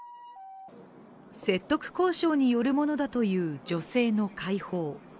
説得交渉によるものだという女性の解放。